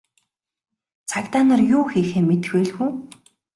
Цагдаа нар юу хийхээ мэдэх байлгүй.